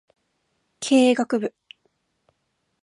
経営学部